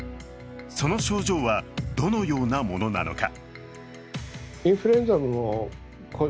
その症状は、どのようなものなのか。